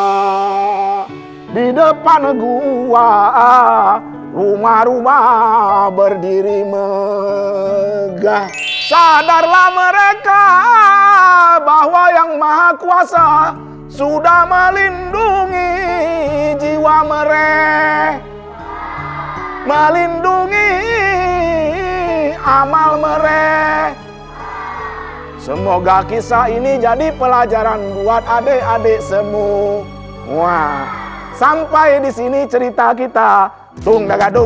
mereka pun sudah sampai sekaki dibukalah si pintu goa di depan goa rumah rumah berdiri megah sadarlah mereka bahwa yang maha kuasa sudah melindungi jiwa mereh melindungi amal mereh semoga kisah ini jadi pelajaran buat adik adik semua sampai disini cerita kita tunggu